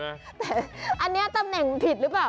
แต่อันนี้ตำแหน่งผิดหรือเปล่า